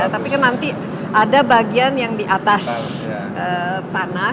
tapi kan nanti ada bagian yang di atas tanah